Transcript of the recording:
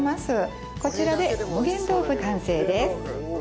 こちらで無限豆腐完成です。